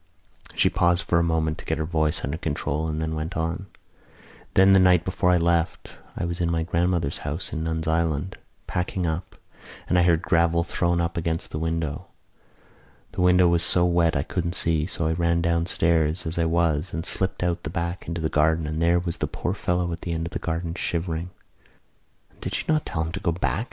She paused for a moment to get her voice under control and then went on: "Then the night before I left I was in my grandmother's house in Nuns' Island, packing up, and I heard gravel thrown up against the window. The window was so wet I couldn't see so I ran downstairs as I was and slipped out the back into the garden and there was the poor fellow at the end of the garden, shivering." "And did you not tell him to go back?"